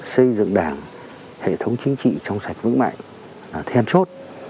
xây dựng đảng hệ thống chính trị trong sạch vững mạnh là thiên chốt